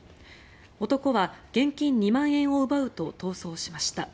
男は現金２万円を奪うと逃走しました。